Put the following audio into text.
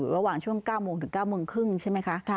ระหว่างช่วง๙โมงถึง๙โมงครึ่งใช่ไหมคะ